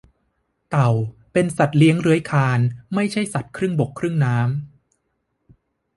เต่าเป็นสัตว์เลื้อยคลานไม่ใช่สัตว์ครึ่งบกครึ่งน้ำ